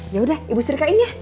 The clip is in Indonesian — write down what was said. yaudah ibu serikahin ya